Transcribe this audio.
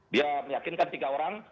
dia meyakinkan tiga orang